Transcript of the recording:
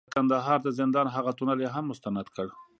د کندهار د زندان هغه تونل یې هم مستند کړ،